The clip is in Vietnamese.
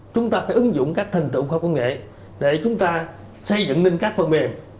chúng ta phải ứng dụng các thành tựu khoa công nghệ để chúng ta xây dựng nên các phần mềm